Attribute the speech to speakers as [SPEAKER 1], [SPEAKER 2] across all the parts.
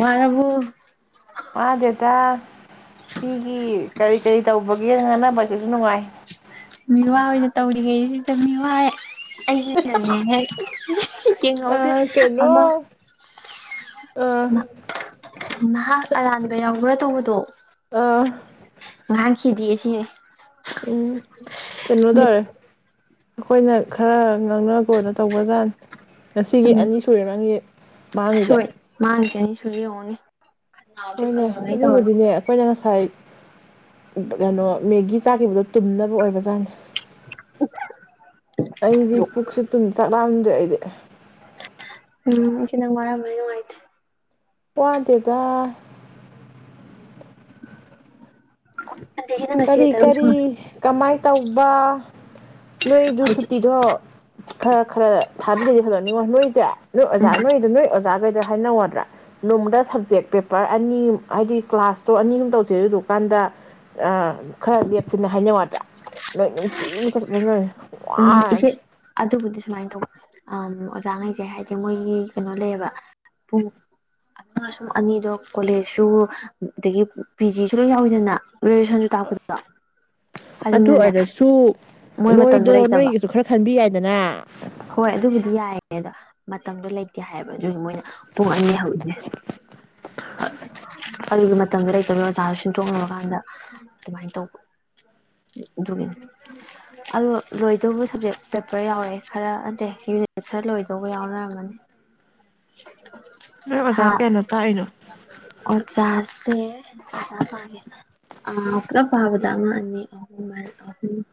[SPEAKER 1] ꯋꯥꯕꯨ
[SPEAKER 2] ꯃꯥ ꯗꯦꯇ ꯃꯤꯒꯤ ꯀꯔꯤ ꯀꯔꯤ ꯇꯧꯕꯒꯦ ꯉꯥꯡꯅꯕꯁꯤꯁꯨ ꯅꯨꯡꯉꯥꯏ
[SPEAKER 1] ꯇꯧꯔꯤꯉꯩꯁꯤꯗꯃꯤ ꯋꯥꯏ ꯑ ꯍꯥꯏ ꯎ ꯌꯦꯡꯍꯧꯗꯦ
[SPEAKER 2] ꯑ
[SPEAKER 1] ꯑꯃ
[SPEAKER 2] ꯀꯩꯅꯣ ꯑ
[SPEAKER 1] ꯅꯍꯥꯛ ꯑꯔꯥꯟꯕ ꯌꯥꯎꯕ꯭ꯔꯥ ꯇꯧꯕꯗꯣ
[SPEAKER 2] ꯑꯥ
[SPEAKER 1] ꯈꯤꯗꯤ ꯌꯦꯁꯤ
[SPEAKER 2] ꯎꯝ ꯀꯩꯅꯣꯇꯧꯔꯦ ꯑꯩꯈꯣꯏꯅ ꯈꯔ ꯉꯥꯡꯅꯒꯣꯅ ꯇꯧꯕꯖꯥꯠꯅꯤ ꯉꯁꯤꯒꯤ
[SPEAKER 1] ꯎꯝ
[SPEAKER 2] ꯑꯅꯤ ꯁꯨꯔꯦ ꯅꯪꯒꯤ ꯃꯥꯡꯉꯤꯁꯦ
[SPEAKER 1] ꯆꯨꯔꯤ ꯍꯣꯡꯒꯅꯤ
[SPEAKER 2] ꯍꯣꯏꯅꯦ ꯑꯗꯨꯕꯨꯗꯤꯅꯦ ꯑꯩꯈꯣꯏꯅ ꯉꯁꯥꯏ ꯀꯩꯅꯣ ꯃꯦꯒꯤ ꯆꯥꯈꯤꯕꯗꯣ ꯇꯨꯝꯅꯕ ꯑꯣꯏꯕ ꯖꯥꯠꯅꯤ ꯑꯩꯗꯤ ꯄꯨꯛꯁꯨ ꯑꯗꯨꯨꯝ ꯆꯥꯛ ꯂꯥꯝ ꯑꯗꯨ ꯑꯩꯗꯤ
[SPEAKER 1] ꯎꯝ ꯏꯆ‌ꯦ ꯅꯪ ꯋꯥꯔꯝꯃꯅꯤ ꯅꯨꯡꯉꯥꯏꯇ‌ꯦ
[SPEAKER 2] ꯋꯥꯗ‌ꯦꯗ
[SPEAKER 1] [unintelligible] ꯉꯁꯤꯒ
[SPEAKER 2] ꯀꯔꯤ
[SPEAKER 1] ꯇꯔꯨꯛ
[SPEAKER 2] ꯀꯔꯤ
[SPEAKER 1] ꯁꯨꯔꯦ
[SPEAKER 2] ꯀꯃꯥꯏꯅ ꯇꯧꯕ ꯅꯣꯏꯗꯨ
[SPEAKER 1] ꯍꯧꯖꯤꯛ
[SPEAKER 2] ꯁꯨꯇꯤꯗꯣ ꯈꯔ ꯈꯔ ꯊꯥꯕꯤꯔꯤꯗꯤ ꯐꯗꯧꯅꯤꯉ‌ꯣ ꯅꯣꯏꯁꯦ ꯅꯣꯏ ꯑꯣꯖꯥ
[SPEAKER 1] ꯎꯝ
[SPEAKER 2] ꯅꯣꯏꯗ ꯅꯣꯏ ꯑꯣꯖꯥꯒꯩꯗ ꯍꯥꯏꯅꯧ ꯌꯥꯗ꯭ꯔꯥ ꯅ‌ꯣꯡꯃꯗ ꯁꯕꯖꯦꯛ ꯄꯦꯄꯔ ꯑꯅꯤ ꯍꯥꯏꯗꯤ ꯀ꯭ꯂꯥꯁꯇꯣ ꯑꯅꯤ ꯑꯍꯨꯝ ꯇꯧꯁ‌ꯦ ꯑꯗꯨꯀꯥꯟꯗ ꯈꯔ ꯂꯦꯞꯁꯤꯅ ꯍꯥꯏꯅꯧ ꯌꯥꯗ꯭ꯔꯥ ꯅꯣꯏ ꯅꯨꯡꯇꯤꯒꯤ ꯆꯠꯄ ꯂꯣꯏꯔ
[SPEAKER 1] ꯎꯝ ꯏꯆ‌ꯦ ꯑꯗꯨꯕꯨꯗꯤ ꯁꯨꯃꯥꯏꯅ ꯇꯧꯕ ꯑꯣꯖꯥꯈꯩꯁꯦ ꯍꯥꯏꯗꯤ ꯃꯣꯏꯒꯤ ꯀꯩꯅꯣ ꯂꯩꯌꯦꯕ ꯄꯨꯡ ꯑ ꯁꯨꯝ ꯑꯅꯤꯗꯣ ꯀꯣꯂꯦꯖꯁꯨ ꯑꯗꯒꯤ ꯄꯤ ꯖꯤꯁꯨ ꯂꯣꯏ ꯌꯥꯎꯋꯤꯗꯅ ꯒ꯭ꯔꯦꯖꯨꯦꯁꯟꯁꯨ ꯇꯥꯛꯄꯗꯣ
[SPEAKER 2] ꯑꯗꯨ
[SPEAKER 1] ꯑꯗꯨꯅꯅꯦ
[SPEAKER 2] ꯑꯣꯏꯔꯁꯨ
[SPEAKER 1] ꯃꯣꯏ ꯃꯇꯝꯗ‌ꯣ ꯂꯩ
[SPEAKER 2] ꯃꯣꯏꯗꯣ ꯅꯣꯏꯒꯤꯁꯨ ꯈꯔ ꯈꯟꯕꯤ ꯌꯥꯏꯗꯅ
[SPEAKER 1] ꯍꯣꯏ ꯑꯗꯨꯕꯨꯗꯤ ꯌꯥꯏꯌꯦ ꯑꯗꯣ ꯃꯇꯝꯗꯣ ꯂꯩꯇꯦ ꯍꯥꯏꯌꯦꯕ ꯑꯗꯨꯏ ꯃꯣꯏꯅ ꯄꯨꯡ ꯑꯅꯤ ꯍꯧꯁꯦ ꯑꯗꯨꯒꯤ ꯃꯇꯝꯗꯣ ꯂꯩꯇꯕꯒꯤ ꯑꯣꯖꯥ ꯁꯤꯟꯗꯣꯛꯅꯕꯀꯥꯟꯗ ꯑꯗꯨꯃꯥꯏꯅ ꯇꯧꯕ ꯑꯗꯨꯒꯤꯅꯤ ꯑꯗ‌ꯣ ꯂꯣꯏꯗꯧꯕ ꯁꯕꯖꯦꯛ ꯄꯦꯄꯔ ꯌꯥꯎꯔꯛꯑꯦ ꯈꯔ ꯅꯠꯇ‌ꯦ ꯌꯨꯅꯤꯠ ꯈꯔ ꯂꯣꯏꯗꯧꯕ ꯌꯥꯎꯅꯔꯝꯃꯅꯤ
[SPEAKER 2] ꯅꯣꯏ
[SPEAKER 1] ꯊꯥ
[SPEAKER 2] ꯑꯣꯖꯥ ꯀꯌꯥꯥꯅ ꯇꯥꯛꯏꯅꯣ
[SPEAKER 1] ꯁ‌ꯦ ꯑꯣꯖꯥ ꯄꯥꯒ‌ꯦ ꯄꯨꯂꯞ ꯄꯥꯕꯗ ꯑꯃ ꯑꯅꯤ ꯑꯍꯨꯝ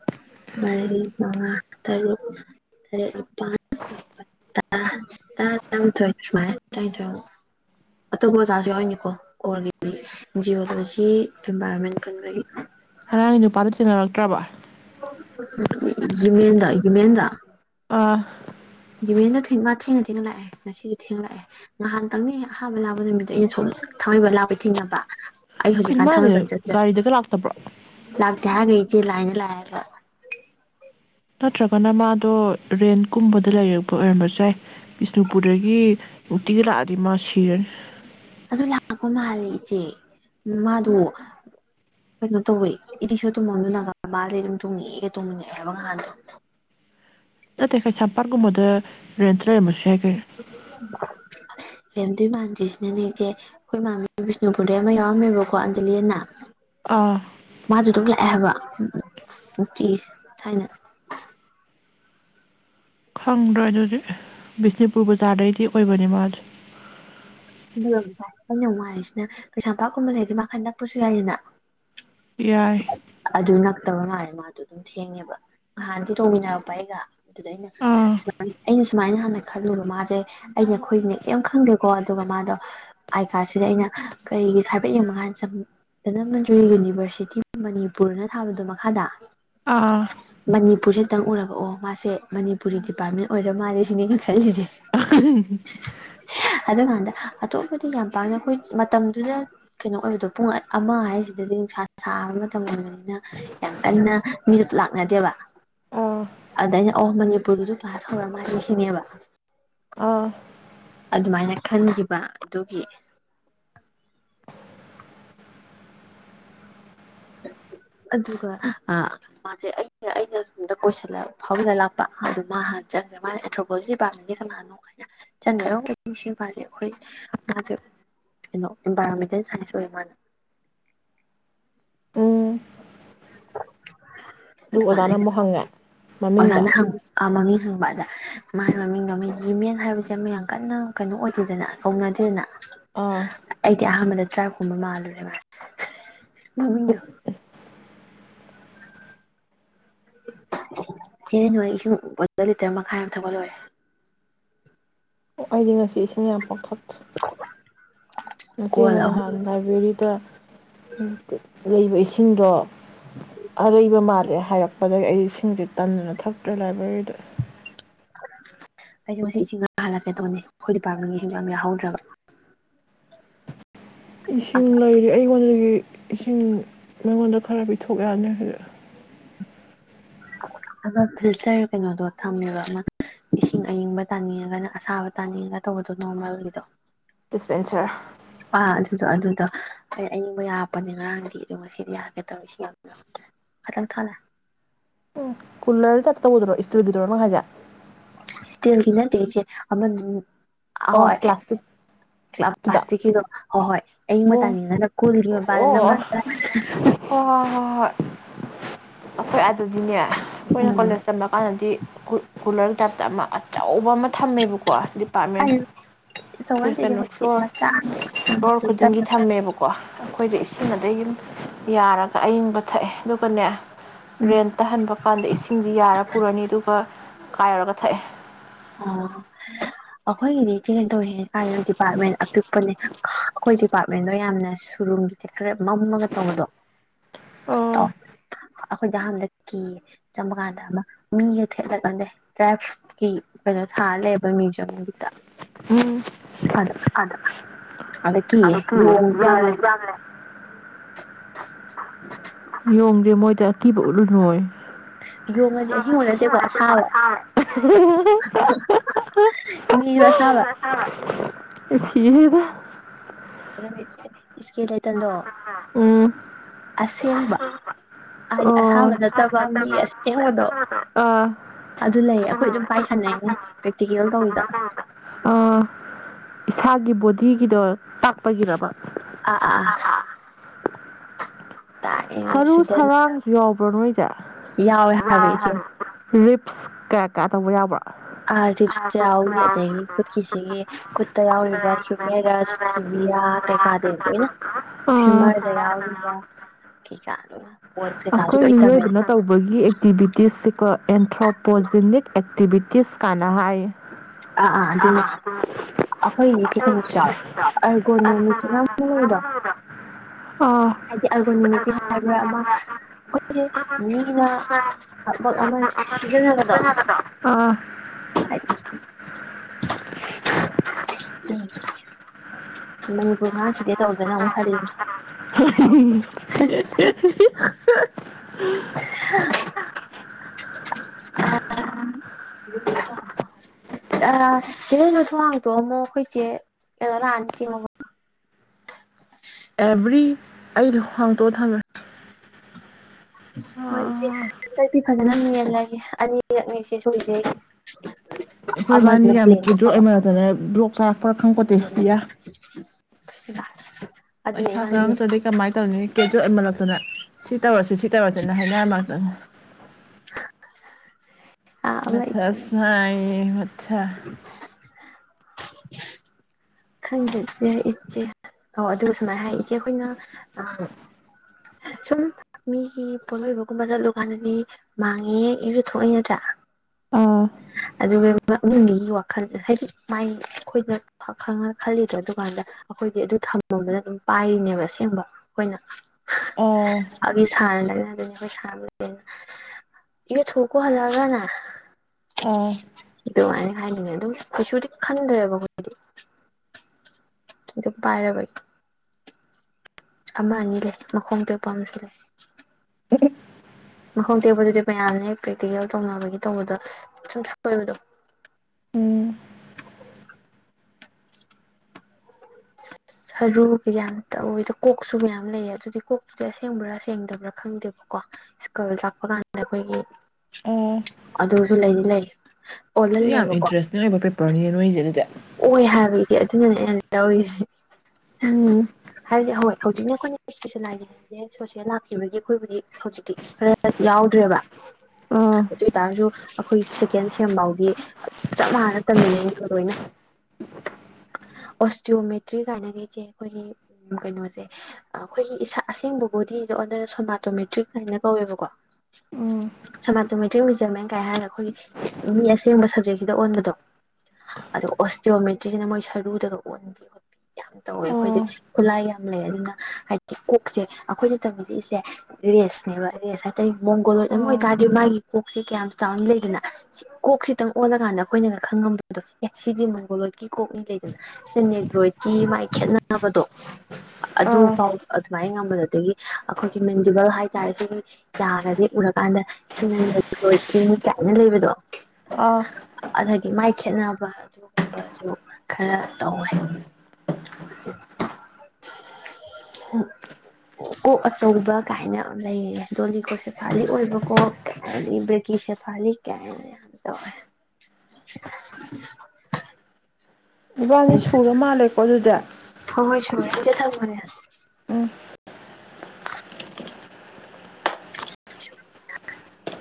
[SPEAKER 1] ꯃꯔꯤ ꯃꯉꯥ ꯇꯔꯨꯛ ꯇꯔꯦꯠ ꯅꯤꯄꯥꯜ ꯃꯥꯄꯜ ꯇꯔꯥ ꯇꯔꯥ ꯇꯔꯥꯃꯥꯊꯣꯏ ꯁꯨꯃꯥꯏꯅ ꯇꯔꯥꯅꯤꯊꯣꯏ ꯑꯃꯨꯛ ꯑꯇꯣꯞꯄ ꯑꯣꯖꯥꯁꯨ ꯌꯥꯎꯅꯤꯀꯣ ꯀꯣꯔꯒꯤꯗꯤ ꯖꯤꯑꯣꯂꯣꯖꯤ ꯏꯟꯚꯥꯏꯔꯣꯟꯃꯦꯟ ꯄꯨꯟꯕꯒꯤ
[SPEAKER 2] ꯇꯤꯟꯅꯔꯛꯇ꯭ꯔꯕ‌ꯣ
[SPEAKER 1] ꯌꯨꯃꯦꯟꯗ ꯌꯨꯃꯦꯟꯗ
[SPEAKER 2] ꯑ
[SPEAKER 1] ꯌꯨꯃꯦꯅ‌ꯣ ꯃꯥ ꯊꯦꯡꯅ ꯊꯦꯡꯅ ꯂꯥꯛꯑꯦ ꯉꯁꯤꯁꯨ ꯊꯦꯡꯅ ꯂꯥꯛꯑꯦ ꯅꯍꯥꯟꯇꯪꯅꯤ ꯑꯍꯥꯟꯕ ꯂꯥꯛꯄ ꯅꯨꯃꯤꯠꯇꯣ ꯑꯩꯅ ꯁꯨꯝ ꯊꯥꯡꯃꯩꯕꯟ ꯂꯥꯛꯄꯩ ꯊꯦꯡꯅꯕ ꯑꯩ ꯍꯧꯖꯤꯛꯀꯥꯟ
[SPEAKER 2] ꯃꯥꯁꯦ
[SPEAKER 1] ꯊꯥꯡꯃꯩꯕꯟ ꯆꯠꯇ꯭ꯔꯦ
[SPEAKER 2] ꯒꯥꯔꯤꯗꯒ ꯂꯥꯛꯇꯕ꯭ꯔꯣ
[SPEAKER 1] ꯂꯥꯛꯇꯦ ꯍꯥꯏꯔꯒ ꯏꯆꯦ ꯂꯥꯏꯅꯦ ꯂꯠꯑꯦꯕ
[SPEAKER 2] ꯅꯠꯇ꯭ꯔꯒꯅ ꯃꯥꯗꯣ ꯔꯦꯟ ꯀꯨꯝꯕꯗ ꯂꯩꯔꯛꯄ ꯑꯣꯏꯔꯝꯕꯁꯨ ꯌꯥꯏ ꯕꯤꯁꯅꯨꯄꯨꯔꯗꯒꯤ ꯅꯨꯡꯇꯤꯗ ꯂꯥꯛꯑꯗꯤ ꯃꯥ ꯁꯤꯔꯅꯤ
[SPEAKER 1] ꯑꯗꯨ ꯂꯥꯛꯄ ꯃꯥꯜꯂꯦ ꯏꯆꯦ ꯃꯥꯗꯣ ꯀꯩꯅꯣ ꯇꯧꯋꯦ ꯏꯔꯤꯛꯁ‌ꯣ ꯇ‌ꯣꯡꯐꯝꯗꯨ ꯅꯒꯥꯝꯄꯥꯜꯗꯩ ꯑꯗꯨꯝ ꯇꯣꯡꯉꯛꯑꯦ ꯑꯩꯒ ꯇꯣꯡꯃꯤꯟꯅꯔꯛꯑꯦ ꯍꯥꯏꯕ ꯉꯍꯥꯟꯁꯨ
[SPEAKER 2] ꯅꯠꯇ‌ꯦ ꯀꯩꯁꯥꯝꯄꯥꯠꯒꯨꯝꯕꯗ ꯔꯦꯟꯇ ꯂꯩꯔꯝꯕꯁꯨ ꯌꯥꯏ ꯀꯩꯅꯣ
[SPEAKER 1] [unintelligible] ꯂꯩꯔꯝꯗꯣꯏ ꯃꯥꯟꯗ꯭ꯔꯤꯁꯤꯅꯅꯦ ꯏꯆꯦ ꯑꯩꯈꯣꯏ ꯏꯃꯥꯟꯅꯕꯤ ꯑꯃ ꯕꯤꯁꯅꯨꯄꯨꯔꯗꯩ ꯑꯃ ꯌꯥꯎꯔꯝꯃꯦꯕꯀꯣ ꯑꯟꯖꯂꯤꯅ
[SPEAKER 2] ꯑꯥ
[SPEAKER 1] ꯃꯥꯁꯨ ꯑꯗꯨꯝ ꯂꯥꯛꯑꯦ ꯍꯥꯏꯕ ꯅꯨꯡꯇꯤ ꯊꯥꯏꯅ
[SPEAKER 2] ꯈꯪꯗ꯭ꯔ‌ꯦ ꯑꯗꯨꯗꯤ ꯕꯤꯁꯅꯨꯄꯨꯔ ꯕꯖꯥꯔꯗꯩꯗꯤ ꯑꯣꯏꯕꯅꯤ ꯃꯥꯁ‌ꯦ
[SPEAKER 1] ꯑꯗꯨꯏ ꯑꯣꯏꯔꯝꯕꯁꯨ ꯌꯥꯏ ꯑꯩꯅ ꯋꯥꯏ ꯍꯥꯏꯁꯤꯅ ꯀꯩꯁꯥꯝꯄꯥꯛꯀꯨꯝꯕ ꯂꯩꯗꯤ ꯃꯥ ꯈꯔ ꯅꯛꯄꯁꯨ ꯌꯥꯏꯗꯅ
[SPEAKER 2] ꯌꯥꯏ
[SPEAKER 1] ꯑꯗꯨ ꯅꯛꯇꯕ ꯃꯥꯜꯂꯦ ꯃꯥꯗꯣ ꯑꯗꯨꯝ ꯊꯦꯡꯉꯦꯕ ꯉꯍꯥꯟꯗꯤ ꯇꯣꯡꯃꯤꯟꯅꯔꯛꯄ ꯑꯩꯒ ꯑꯗꯨꯗ ꯑꯩꯅ
[SPEAKER 2] ꯑꯥ
[SPEAKER 1] ꯁꯨ ꯑꯩꯅ ꯁꯨꯃꯥꯏꯅ ꯍꯥꯟꯅ ꯈꯜꯂꯨꯕ ꯃꯥꯁꯦ ꯑꯩꯅ ꯑꯩꯈꯣꯏꯒꯤꯅ ꯀꯔꯤꯝ ꯈꯪꯗꯦꯀꯣ ꯑꯗꯨꯒ ꯃꯥꯗꯣ ꯑꯥꯏ ꯀꯥꯔꯁꯤꯗ ꯑꯩꯅ ꯀꯔꯤꯒꯤ ꯁꯥꯏꯕꯦꯠ ꯌꯦꯡꯕꯀꯥꯟꯁꯤꯗ ꯙꯅꯃꯟꯖꯨꯔꯤ ꯌꯨꯅꯤꯚꯔꯁꯤꯇꯤ ꯃꯅꯤꯄꯨꯔꯅ ꯊꯥꯕꯗꯣ ꯃꯈꯥꯗꯥ
[SPEAKER 2] ꯑꯥ
[SPEAKER 1] ꯃꯅꯤꯄꯨꯔꯇꯪ ꯎꯔꯕ ꯑꯣ ꯃꯥꯁꯦ ꯃꯅꯤꯄꯨꯔꯤ ꯗꯤꯄꯥꯔꯠꯃꯦꯟ ꯑꯣꯏꯔ ꯃꯥꯜꯂꯦ ꯁꯤꯅꯦ ꯑꯩꯅ ꯈꯜꯂꯤꯁꯦ ꯑꯗꯨ ꯀꯥꯟꯗ ꯑꯇꯣꯞꯄꯗꯤ ꯌꯥꯝ ꯄꯥꯛꯅ ꯑꯩꯈꯣꯏ ꯃꯇꯝꯗꯨꯗ ꯀꯩꯅꯣ ꯑꯣꯏꯕꯗꯣ ꯄꯨꯡ ꯑꯃ ꯍꯥꯏꯁꯤꯗꯗꯤ ꯅꯨꯡꯁꯥ ꯁꯥꯕ ꯃꯇꯝ ꯑꯣꯏꯕꯅꯤꯅ ꯌꯥꯝ ꯀꯟꯅ ꯃꯤꯗ‌ꯣ ꯂꯥꯛꯅꯗꯦꯕ
[SPEAKER 2] ꯑꯥ
[SPEAKER 1] ꯑꯗꯨꯗ ꯑꯩꯅ ꯑꯣ ꯃꯅꯤꯄꯨꯔꯗꯨꯁꯨ ꯀꯂꯥꯁ ꯍꯧꯔ ꯃꯥꯜꯂ‌ꯦ ꯁꯤꯅꯦꯕ
[SPEAKER 2] ꯑꯥ
[SPEAKER 1] ꯑꯗꯨꯃꯥꯏꯅ ꯈꯟꯈꯤꯕ ꯑꯗꯨꯒꯤ ꯑꯗꯨꯒ ꯑꯥ ꯃꯥꯖꯦ ꯑꯩꯅ ꯑꯩꯅ ꯁꯨꯝꯗ ꯀꯣꯏꯁꯜꯂ ꯐꯥꯎꯏꯜꯂ ꯂꯥꯛꯄ ꯑꯗꯨ ꯃꯥ ꯍꯥꯟꯅ ꯆꯠꯈ꯭ꯔꯦ ꯃꯥ ꯑꯦꯊ꯭ꯔꯣꯄꯣꯖꯤ ꯗꯤꯄꯥꯔꯃꯦꯟꯗꯤ ꯀꯅꯥꯅꯣ ꯍꯥꯏꯅ ꯆꯪꯈ꯭ꯔꯦꯁꯤꯡꯕꯁꯦ ꯑꯩꯈꯣꯏ ꯃꯥꯁꯦ ꯀꯩꯅꯣ ꯏꯟꯚꯥꯏꯔꯣꯟꯃꯦꯟꯇꯦꯜ ꯁꯥꯏꯟꯁ ꯑꯣꯏꯌꯦ ꯃꯥꯅ
[SPEAKER 2] ꯎꯝ ꯑꯗꯨ
[SPEAKER 1] ꯑꯗꯨꯀꯥꯟ
[SPEAKER 2] ꯑꯣꯖꯥꯅ
[SPEAKER 1] ꯑꯗꯨꯗ
[SPEAKER 2] ꯑꯃꯨꯛ ꯍꯪꯉꯦ ꯃꯃꯤꯡꯗꯣ
[SPEAKER 1] ꯑꯣꯖꯅ ꯍꯪ ꯑꯥ ꯃꯃꯤꯡ ꯍꯪꯕ ꯗ ꯃꯥꯏ ꯃꯃꯤꯡꯗꯣ ꯑꯃ ꯌꯤꯃꯦꯟ ꯍꯥꯏꯕꯁꯦ ꯑꯃ ꯌꯥꯝ ꯀꯟꯅ ꯀꯩꯅꯣ ꯑꯣꯏꯗꯦꯗꯅ ꯀꯧꯅꯗꯦꯗꯅ
[SPEAKER 2] ꯑꯥ
[SPEAKER 1] ꯑꯩꯗꯤ ꯑꯍꯥꯝꯕꯗꯠ ꯇ꯭ꯔꯥꯏꯕ ꯀꯨꯝꯕ ꯃꯥꯜꯂꯨꯔꯦ ꯃꯥꯗ ꯃꯃꯤꯡ ꯗꯣ ꯆꯦ ꯔꯦꯅꯨ ꯑꯩ ꯏꯁꯤꯡ ꯕꯣꯇꯔ ꯂꯤꯇꯔ ꯃꯈꯥꯏ ꯑꯝ ꯊꯛꯄ ꯂꯣꯏꯔꯦ
[SPEAKER 2] ꯑꯣ ꯑꯩꯗꯤ ꯉꯁ ꯏꯁꯤꯡ ꯌꯥꯝ ꯄꯥꯛ ꯊꯛꯇꯔꯤ
[SPEAKER 1] ꯀꯣꯜ
[SPEAKER 2] ꯅꯆꯦꯅ
[SPEAKER 1] ꯑꯍꯨꯝ
[SPEAKER 2] ꯉꯍꯥꯟ ꯂꯥꯏꯕꯦꯔꯤꯗ ꯂꯩꯕ ꯏꯁꯤꯡꯗꯣ ꯑꯔꯩꯕ ꯃꯥꯜꯂꯦ ꯍꯥꯏꯔꯛꯄꯗꯩ ꯑꯩ ꯏꯁꯤꯡꯖꯦ ꯇꯟꯗꯅ ꯊꯛꯇ꯭ꯔꯦ ꯂꯥꯏꯕꯦꯔꯤꯗ
[SPEAKER 1] ꯑꯩꯁꯨ ꯉꯁꯤ ꯏꯁꯤꯡ ꯉ ꯍꯥꯜꯂꯛꯀꯦ ꯇꯧꯅꯤ ꯈꯣꯏ ꯗꯤꯄꯥꯔꯃꯦꯟꯒꯤ ꯏꯁꯤꯡꯗꯣ ꯌꯥꯝ ꯌꯥꯍꯧꯗ꯭ꯔꯕ
[SPEAKER 2] ꯏꯁꯤꯡ ꯂꯩꯔꯤ ꯑꯩꯉꯣꯟꯗꯒꯤ ꯏꯁꯤꯡ ꯅꯉꯣꯟꯗ ꯈꯔ ꯄꯤꯊꯣꯛ ꯌꯥꯅꯤ
[SPEAKER 1] ꯑꯗꯣ ꯐꯤꯜꯇꯔ ꯀꯩꯅꯣꯗꯣ ꯊꯝꯃꯦꯕ ꯑꯃ ꯏꯁꯤꯡ ꯑꯏꯤꯡꯕ ꯇꯥꯅꯤꯡꯉꯒꯅ ꯑꯁꯥꯕ ꯇꯥꯅꯤꯡꯉꯒ ꯇꯧꯕꯗꯣ ꯅꯣꯔꯃꯦꯜꯒꯤꯗꯣ
[SPEAKER 2] ꯏꯁꯄꯦꯟꯁꯔ
[SPEAKER 1] ꯇ ꯈꯣꯏ ꯑꯌꯤꯡꯕ ꯌꯥꯄꯅꯦ ꯉꯔꯥꯡꯗꯤ ꯑꯗꯣ ꯉꯁꯤꯗ ꯌꯥꯔꯀꯦ ꯇꯧꯔ ꯏꯁꯤꯡ ꯌꯥꯝ ꯌꯥꯎꯝꯗ꯭ꯔꯦ ꯈꯇꯪ ꯊꯥꯂꯥꯏ
[SPEAKER 2] [unintelligible] ꯏꯁꯇꯤꯜꯒꯤꯗꯨꯔꯣ ꯅꯪ ꯍꯥꯏꯖꯦ
[SPEAKER 1] ꯏꯁꯇꯤꯜꯒꯤ ꯅꯠꯇꯦ ꯏꯆꯦ ꯑꯃ
[SPEAKER 2] ꯑꯣ
[SPEAKER 1] ꯑꯥꯍꯣꯏ
[SPEAKER 2] ꯄ꯭ꯂꯥꯁꯇꯤꯛꯇꯨꯗ
[SPEAKER 1] ꯀ꯭ꯂꯥꯁꯇꯤꯛ ꯀꯤꯗꯣ ꯍꯣ ꯍꯣꯏ ꯑꯥꯏꯪꯕ
[SPEAKER 2] ꯑꯣ
[SPEAKER 1] ꯇꯥꯅꯤꯡꯉꯒꯅ ꯈꯣ
[SPEAKER 2] ꯑꯣ ꯑꯣ ꯍꯣ ꯍꯣꯏ ꯍꯣ ꯍꯣꯏ ꯑꯈꯣꯏ ꯑꯗꯨꯗꯤꯅꯦ ꯈꯣꯏꯅ
[SPEAKER 1] ꯎꯝ
[SPEAKER 2] ꯀꯣꯂꯦꯖ ꯇꯝꯕ ꯀꯥꯟꯗꯗꯤ ꯀꯨ ꯀꯨꯂꯔ ꯇꯥꯏꯞꯇ ꯑꯃ ꯑꯆꯧꯕ ꯑꯃ ꯊꯝꯃꯦꯕꯀꯣ ꯗꯤꯄꯥꯔꯠꯃꯦꯟ
[SPEAKER 1] ꯀꯥꯏ ꯑꯆꯧꯕ ꯅꯠꯇꯦ ꯏꯆꯦ
[SPEAKER 2] ꯀꯩꯅꯣ
[SPEAKER 1] ꯑꯩꯈꯣꯏꯒꯤ
[SPEAKER 2] ꯐ꯭ꯂꯣꯔ
[SPEAKER 1] ꯃꯆꯥꯅꯤ ꯎꯝ
[SPEAKER 2] ꯐ꯭ꯂꯣꯔ
[SPEAKER 1] ꯐꯤꯜꯇꯔ
[SPEAKER 2] ꯈꯨꯗꯤꯡꯒꯤ
[SPEAKER 1] ꯃꯆꯥ
[SPEAKER 2] ꯊꯝꯃꯦꯕꯀꯣ ꯈꯣꯏꯗ ꯏꯁꯤꯡ ꯑꯗꯩ ꯌꯨꯝ ꯌꯥꯔꯒ ꯑꯏꯪꯕ ꯊꯛꯑꯦ ꯑꯗꯨꯒꯅꯦ
[SPEAKER 1] ꯎꯝ
[SPEAKER 2] ꯔꯦꯟꯇ ꯍꯟꯕ ꯀꯥꯟꯗ ꯏꯁꯤꯡꯖꯤ ꯌꯥꯔ ꯄꯨꯔꯅꯤ ꯗꯨꯒ ꯀꯥꯏꯔꯒ ꯊꯛꯑꯦ
[SPEAKER 1] ꯑꯣ ꯑꯩꯈꯣꯏꯒꯤꯗꯤ ꯏꯆꯦ ꯇꯧꯋꯦ [unintelligible] ꯗꯤꯄꯥꯔꯠꯃꯦꯟ ꯑꯄꯤꯛꯄꯅꯦ ꯑꯈꯣꯏ ꯗꯤꯄꯥꯔꯠꯃꯦꯟꯗꯣ ꯌꯥꯝꯅ ꯁꯨꯔꯨꯡꯒꯤꯗ ꯈꯔ ꯃꯝꯃꯒ ꯇꯧꯕꯗꯣ
[SPEAKER 2] ꯎꯝ
[SPEAKER 1] [unintelligible] ꯑꯈꯣꯏꯗꯤ ꯍꯟꯗꯛꯀꯤ ꯆꯪꯕ ꯀꯥꯟꯗ ꯑꯃ ꯃꯤꯒ ꯊꯦꯠꯂꯒꯟꯗꯦ ꯇ꯭ꯔꯥꯏꯐꯀꯤ ꯀꯩꯅꯣ ꯊꯥ ꯂꯩꯑꯕ ꯃꯌ꯭ꯨꯖꯝ ꯒꯤꯗ
[SPEAKER 2] ꯎꯝ ꯑꯥꯗ
[SPEAKER 1] ꯑꯗ ꯀꯤꯌꯦ ꯌꯣꯡꯖꯨ ꯌꯥꯝꯂꯩ [unintelligible]
[SPEAKER 2] ꯌꯣꯡꯗꯦ ꯃꯣꯏꯗꯤ ꯑꯇꯤꯕꯔꯨ ꯅꯨꯉꯣꯏ
[SPEAKER 1] ꯌꯣꯉꯗꯤ ꯑꯍꯤꯡ ꯑꯣ ꯅꯠꯇꯦꯀꯣ ꯑꯁꯥꯕ ꯃꯤꯁꯨ ꯑꯁꯥꯕ
[SPEAKER 2] ꯐꯗ
[SPEAKER 1] ꯑꯗꯨ ꯏꯁꯀꯦ ꯂꯩꯇꯟꯗꯣ
[SPEAKER 2] ꯎꯝ
[SPEAKER 1] ꯑꯁꯦꯡꯕ ꯍꯥꯏꯗꯤ
[SPEAKER 2] ꯑꯣ
[SPEAKER 1] ꯑꯁꯥꯕ ꯅꯠꯇꯕ ꯃꯤ ꯑꯁꯦꯡꯕꯗꯣ
[SPEAKER 2] ꯑꯥ
[SPEAKER 1] ꯑꯗꯨ ꯂꯩꯌꯦ ꯑꯩꯈꯣꯏ ꯑꯗꯨꯝ ꯄꯥꯏꯁꯅꯩꯅꯦ ꯐꯛꯇꯤ ꯀꯦꯜꯗ ꯑꯣꯏꯗ
[SPEAKER 2] ꯑꯥ ꯏꯁꯥꯒꯤ ꯕꯣꯗꯤꯒꯤꯗꯣ ꯇꯥꯛꯄꯒꯤꯔꯕ
[SPEAKER 1] ꯑꯥ ꯑꯥ ꯇꯥꯛꯑꯦ
[SPEAKER 2] ꯁꯔꯨ
[SPEAKER 1] ꯁꯤꯗ
[SPEAKER 2] ꯁꯔꯥ ꯌꯣ ꯄꯔꯣꯏ
[SPEAKER 1] ꯌꯥꯎꯋꯦ ꯍꯥꯏꯕ ꯏꯆꯦ
[SPEAKER 2] ꯔꯤꯞꯁ ꯀ ꯀ ꯇꯧꯕ ꯌꯥꯕ꯭ꯔꯥ
[SPEAKER 1] ꯑꯥꯔ ꯗꯤꯞꯁ ꯌꯥꯎꯏ ꯑꯗꯒꯤ ꯈꯨꯠꯀꯤꯁꯤꯒꯤ ꯈꯨꯠꯇ ꯌꯥꯎꯔꯤꯕ ꯍꯤꯌꯨꯃꯦꯔꯁ ꯊꯤꯕꯤꯌꯥ ꯀꯩꯀꯥꯗꯤ ꯂꯣꯏꯅ
[SPEAKER 2] ꯑꯥ
[SPEAKER 1] ꯐꯤꯌꯃꯔꯗ ꯌꯥꯎꯔꯤꯕ ꯀꯩꯀꯥ ꯂꯣꯏꯅ ꯕꯣꯟꯁ ꯀꯩꯀꯥꯁꯨ
[SPEAKER 2] ꯑꯩꯈꯣꯏ
[SPEAKER 1] ꯂꯣꯏ ꯇꯝꯃꯦ
[SPEAKER 2] ꯃꯤꯑꯣꯏꯕꯅ ꯇꯧꯕꯒꯤ ꯑꯦꯛꯇꯤꯚꯤꯇꯤꯁꯁꯤꯀꯣ ꯑꯦꯟꯊ꯭ꯔꯣꯄꯣꯖꯤꯦꯅꯤꯛ ꯗꯦꯕꯤꯇꯤꯁ ꯀꯅ ꯍꯥꯏ
[SPEAKER 1] ꯑꯥ ꯑꯥ ꯑꯗꯨꯅꯦ ꯑꯩꯈꯣꯏꯅꯦ ꯁꯤ ꯀꯩꯅꯣꯁꯨ ꯌꯥꯎꯋꯦ ꯑꯥꯔꯒꯣꯅꯣꯃꯤꯁꯔꯤꯗꯣ
[SPEAKER 2] ꯑꯥ
[SPEAKER 1] ꯍꯥꯏꯗꯤ ꯑꯔꯒꯣꯅꯣꯃꯤꯤ ꯑꯃ ꯑꯩꯈꯣꯏꯁꯦ ꯃꯤꯅ ꯊꯕ ꯑꯃ ꯁꯤꯖꯤꯟꯅꯕꯗꯣ
[SPEAKER 2] ꯑꯥ
[SPEAKER 1] ꯍꯥꯏ ꯎ ꯃꯅꯤꯄꯨꯔ ꯍꯥꯀꯗꯦ ꯇꯧꯗꯅ ꯍꯔꯤ
[SPEAKER 2] ꯍꯥ [inaudible]
[SPEAKER 1] ꯁꯤꯔꯩꯅ ꯊꯣꯡꯉꯥꯡꯗꯣ ꯑꯃꯨꯛ ꯑꯩꯈꯣꯏꯁꯦ ꯀꯩꯅꯣ ꯂꯥꯛꯑꯅ ꯆꯤꯡꯉꯕ
[SPEAKER 2] ꯑꯦꯕ꯭ꯔꯤ ꯑꯩꯗ ꯍꯥꯡꯇꯣꯛꯑ ꯊꯝꯃ
[SPEAKER 1] ꯍꯣꯏ ꯏꯆꯦ ꯍꯟꯗꯛꯇꯤ ꯐꯖꯅ ꯃꯦꯜꯂꯒꯦ ꯑꯅꯤꯔꯛꯅꯤꯁꯦ ꯁꯣꯏꯖꯩ ꯑꯩꯦ
[SPEAKER 2] ꯑꯩꯈꯣꯏꯕꯥꯅꯤ ꯌꯥꯝ ꯀꯦ ꯗ꯭ꯔꯣꯛ ꯑꯃꯗꯅ ꯗ꯭ꯔꯣꯛ ꯆ ꯔ ꯈꯪꯄꯇꯦ ꯄꯕꯤꯌꯥ
[SPEAKER 1] ꯐ
[SPEAKER 2] ꯄꯩꯁꯥ ꯆꯪꯉꯛꯇ꯭ꯔꯗꯤ ꯀꯃꯥꯏꯅ ꯇꯧꯅꯤ ꯀꯦꯖ ꯑꯣꯏꯍꯜꯂꯛꯇꯅ ꯁꯤ ꯇꯧꯔꯁꯤ ꯁꯤ ꯇꯧꯔꯁꯤꯅ ꯍꯥꯏꯅꯔꯝꯃꯛꯇꯅꯤ
[SPEAKER 1] ꯑꯃ
[SPEAKER 2] ꯃꯁ ꯑꯩ ꯑ
[SPEAKER 1] ꯈꯪꯖꯦꯦ ꯏꯆꯦ ꯑꯣ ꯑꯗꯨꯒ ꯁꯨꯃꯥꯏꯅ ꯍꯥꯏ ꯏꯆꯦ ꯑꯩꯈꯣꯏꯅ ꯁꯨꯝ ꯃꯤꯒꯤ ꯄꯣꯠꯂꯣꯏꯕꯒꯨꯝꯕ ꯆꯠꯂꯨꯀꯥꯟꯗꯗꯤ ꯃꯥꯡꯉꯦ ꯏꯁꯨ ꯊꯣꯛꯏ ꯅꯠꯇ꯭ꯔꯥ
[SPEAKER 2] ꯑꯥ
[SPEAKER 1] ꯃꯤꯃꯤꯒꯤ ꯋꯥꯈꯜ ꯍꯥꯏꯗꯤ ꯃꯥꯏ ꯑꯩꯈꯣꯏꯗ ꯈꯪꯉ ꯈꯜꯂꯤꯗꯣ ꯑꯗꯨꯀꯥꯟꯗ ꯑꯩꯈꯣꯏꯗꯤ ꯑꯗꯨ ꯊꯝꯃꯝꯕꯗ ꯑꯗꯨꯝ ꯄꯥꯏꯔꯤꯅꯦꯕ ꯑꯁꯦꯡꯕ ꯑꯩꯈꯣꯏꯅ
[SPEAKER 2] ꯑꯣ
[SPEAKER 1] ꯑꯒꯤ ꯁꯥꯔ ꯅꯥꯅꯦ ꯁꯅ ꯏꯔꯨꯊꯣꯛꯀꯣ ꯍꯜꯂꯒꯅ
[SPEAKER 2] ꯑꯥ
[SPEAKER 1] ꯍꯥꯏꯅꯤꯡꯅꯦ ꯑꯗꯨꯝ ꯀꯩꯁꯨꯗꯤ ꯈꯟꯗ꯭ꯔꯦꯕ ꯑꯩꯈꯣꯏꯗꯤ ꯑꯗꯨ ꯄꯥꯔꯕꯩ ꯑꯃ ꯑꯅꯤ ꯂꯩ ꯃꯈꯣꯡ ꯇꯦꯛꯄ ꯑꯃ ꯂꯩ
[SPEAKER 2] [unintelligible]
[SPEAKER 1] ꯃꯈꯣꯡ ꯇꯦꯛꯄꯗꯨꯗꯤ ꯃꯌꯥꯝꯅꯦ ꯍꯦ ꯄ꯭ꯔꯦꯛꯇꯤꯀꯦꯜ ꯇꯧꯅꯕꯒꯤ ꯇꯧꯕꯗ ꯁꯨꯡꯁꯣꯏꯕꯗꯣ
[SPEAKER 2] ꯎꯝ
[SPEAKER 1] ꯁꯔꯨ ꯀ ꯌꯥꯝ ꯇꯧꯋꯦꯗ ꯀꯣꯛꯁꯨ ꯃꯌꯥꯝ ꯂꯩꯌꯦ ꯑꯗꯨꯗꯤ ꯀꯣꯛꯇꯨꯗꯤ ꯑꯁꯦꯡꯕ꯭ꯔꯥ ꯁꯦꯡꯗꯕ꯭ꯔꯥ ꯈꯪꯗꯦꯕꯀꯣ ꯏꯁꯀꯜ ꯀꯥꯞꯄ ꯀꯥꯟꯗ ꯑꯩꯈꯣꯏꯒꯤ
[SPEAKER 2] ꯑꯣ
[SPEAKER 1] ꯑꯗꯨꯁꯨ ꯂꯩꯗꯤ ꯂꯩ
[SPEAKER 2] ꯌꯥꯝ
[SPEAKER 1] ꯑꯣꯜꯍꯜꯂꯦꯕꯀꯣ
[SPEAKER 2] ꯏꯟꯇꯔꯦꯁꯇꯤꯡ ꯑꯣꯏꯕ ꯄꯦꯄꯔꯅꯤꯅꯦ ꯅꯣꯏꯁꯦ ꯑꯗꯨꯗ
[SPEAKER 1] ꯑꯣꯏ ꯍꯥꯏꯕ ꯏꯆꯦ ꯑꯗꯨꯅꯅꯦ ꯑꯩꯅ ꯂꯧꯎꯔꯤꯁꯦ
[SPEAKER 2] ꯎꯝ
[SPEAKER 1] ꯍꯥꯏꯗꯤ ꯍꯣꯏ ꯍꯧꯖꯤꯛꯅ ꯑꯩꯈꯣꯏꯅ ꯏꯁꯄꯤꯁꯂꯥꯏꯦꯁꯟꯁꯦ ꯁꯣꯁꯦꯜ ꯂꯥꯛꯈꯤꯕꯒꯤ ꯑꯩꯈꯣꯏꯕꯨꯗꯤ ꯍꯧꯖꯤꯛꯇꯤ ꯈꯔ ꯌꯥꯎꯗ꯭ꯔꯦꯕ
[SPEAKER 2] ꯑꯥ
[SPEAKER 1] ꯑꯗꯨ ꯑꯣꯏꯇꯔꯁꯨ ꯑꯩꯈꯣꯏ ꯁꯦꯀꯦꯟ ꯁꯦꯝꯐꯥꯎꯗꯤ ꯆꯞ ꯃꯥꯟꯅ ꯇꯝꯃꯤꯟꯅꯩꯩꯅ ꯂꯣꯏꯅ ꯑꯣꯁꯇꯤꯌꯣꯃꯦꯇ꯭ꯔꯤꯛ ꯀꯥꯏꯅꯈꯩꯁꯦ ꯑꯩꯈꯣꯏꯒꯤ ꯀꯩꯅꯣꯁꯦ ꯑꯩꯈꯣꯏꯒꯤꯥ ꯑꯁꯦꯡꯕ ꯕꯣꯗꯤꯁꯤꯗ ꯑꯣꯟꯗꯅ ꯁꯣꯃꯥꯇꯣꯃꯦꯇ꯭ꯔꯤꯛ ꯀꯥꯏꯅ ꯀꯧꯋꯦꯕꯀꯣ
[SPEAKER 2] ꯎꯝ
[SPEAKER 1] ꯁꯣꯃꯥꯇꯣꯃꯦꯇ꯭ꯔꯤꯛ ꯃꯦꯖꯔꯃꯦꯟ ꯀꯥꯏ ꯍꯥꯏꯔꯒ ꯑꯩꯈꯣꯏꯒꯤ ꯃꯤ ꯑꯁꯦꯡꯕ ꯁꯕꯖꯦꯛꯁꯤꯗ ꯑꯣꯟꯕꯗꯣ ꯑꯗꯣ ꯑꯣꯁꯇꯤꯌꯣꯃꯦꯇ꯭ꯔꯤꯁꯤꯅ ꯃꯣꯏ ꯁꯔꯨꯗꯒ ꯑꯣꯟꯕꯤ ꯈꯣꯠꯄꯤ ꯌꯥꯝ ꯇꯧꯋꯦ ꯑꯩꯈꯣꯏꯗꯤ
[SPEAKER 2] ꯑꯣ
[SPEAKER 1] ꯈꯨꯠꯂꯥꯏ ꯌꯥꯝ ꯂꯩ ꯑꯗꯨꯅ ꯍꯥꯏꯗꯤ ꯀꯣꯛꯁꯦ ꯑꯩꯈꯣꯏꯅ ꯇꯝꯃꯤꯁꯤꯁꯦ ꯔꯦꯁꯅꯦꯕ ꯔꯦꯁ ꯍꯥꯏꯇꯥꯔ ꯃꯣꯡꯒꯣꯜꯣꯝ
[SPEAKER 2] ꯑꯥ
[SPEAKER 1] ꯑꯣꯏꯇꯥꯔꯗꯤ ꯃꯥꯒꯤ ꯀꯣꯛꯁꯤ ꯀꯌꯥꯝ ꯆꯥꯎꯅ ꯂꯩꯗꯅ ꯀꯣꯛꯁꯤꯇꯪ ꯑꯣꯜꯂꯀꯥꯟꯗ ꯑꯩꯈꯣꯏꯅꯒ ꯈꯪꯉꯝꯝꯕꯗꯣ ꯑꯦ ꯁꯤꯗꯤ ꯃꯪꯒꯣꯂꯣꯏꯗꯀꯤ ꯀꯣꯛꯅꯤ ꯂꯩꯗꯅ ꯁꯤ ꯅꯦꯒ꯭ꯔꯣꯏꯗꯀꯤ ꯃꯥꯏ ꯈꯦꯠꯅꯕꯗꯣ ꯑꯗꯨ
[SPEAKER 2] ꯑꯥ
[SPEAKER 1] ꯐꯥꯎ ꯑꯗꯨꯃꯥꯏꯅ ꯉ ꯃꯗꯨꯗꯒꯤ ꯑꯩꯈꯣꯏꯒꯤ ꯃꯦꯟꯗꯤꯕꯜ ꯍꯥꯏꯇꯥꯔꯦ ꯁꯤꯒꯤ ꯌꯥꯒꯁꯦ ꯎꯔꯀꯥꯟꯗ ꯁꯤꯅ ꯅꯣꯏ ꯀꯤꯅꯤ ꯀꯥꯏꯅ ꯂꯩꯕꯗꯣ ꯑꯗꯩꯗꯤ ꯃꯥꯏ
[SPEAKER 2] ꯑꯐ
[SPEAKER 1] ꯈꯦꯠꯅꯕ ꯑꯗꯨꯒꯨꯝꯕꯁꯨ ꯈꯔ ꯇꯧꯋꯦ ꯀ ꯀꯣꯛ ꯑꯆꯧꯕ ꯀꯥꯏꯅ ꯂꯩꯌꯦ ꯗꯣꯂꯤꯀꯣ ꯁꯦꯐꯥꯂꯤ ꯑꯣꯏꯕ ꯀꯣꯛ ꯀ ꯑꯗꯒꯤ ꯕꯔꯀꯤ ꯁꯦꯐꯥꯂꯤ ꯀꯥꯏꯅ ꯌꯥꯝ ꯇꯧꯋꯦ
[SPEAKER 2] ꯏꯕꯥꯅꯤ ꯁꯨꯔ ꯃꯥꯜꯂꯦꯀꯣ ꯑꯗꯨꯗꯤ
[SPEAKER 1] ꯍꯣꯏ ꯍꯣꯏ ꯁꯨꯔꯦ ꯏꯆꯦ ꯊꯝꯃꯒꯦ
[SPEAKER 2] ꯎꯝ
[SPEAKER 1] [unintelligible]